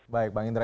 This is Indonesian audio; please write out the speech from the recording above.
baik bang indra